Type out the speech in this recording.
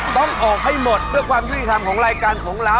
ต้องออกให้หมดเพื่อความยุติธรรมของรายการของเรา